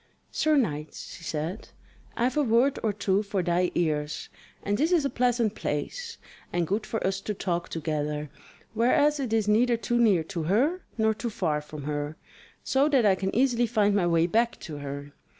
"Sir knight," she said, "I have a word or two for thy ears; and this is a pleasant place, and good for us to talk together, whereas it is neither too near to her, nor too far from her, so that I can easily find my way back to her.